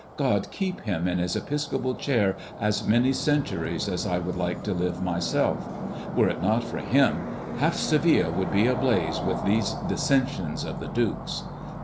God keep him in his episcopal chair as many centuries as I would like to live myself! Were it not for him, half Seville would be ablaze with these dissensions of the dukes.